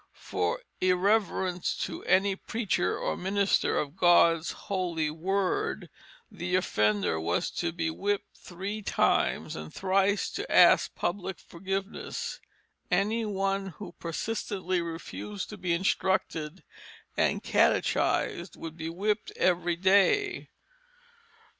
For irreverence to "any Preacher or Minister of Gods Holy Word" the offender was to be whipped three times and thrice to ask public forgiveness. Any one who persistently refused to be instructed and catechized could be whipped every day.